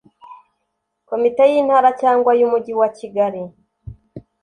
komite y intara cyangwa y umujyi wakigali